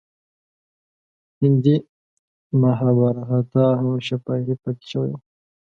هندي مهابهاراتا هم شفاهي پاتې شوی و.